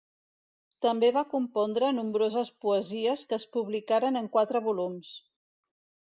També va compondre nombroses poesies que es publicaren en quatre volums.